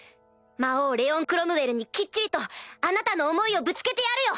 魔王レオン・クロムウェルにきっちりとあなたの想いをぶつけてやるよ！